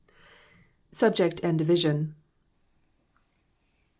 Subject and Division.